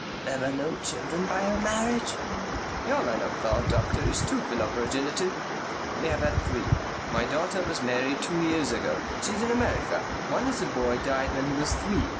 "There were no children by your marriage?" "Your line of thought, doctor, is too philoprogenitive. We have had three. My daughter was married two years ago. She is in America. One little boy died when he was three.